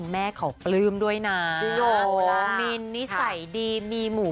แม่ก็เอ็นดูเขามาก